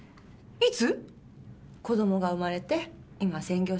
いつ？